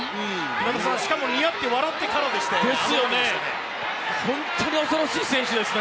今田さん、しかもにやって笑ってからですよ。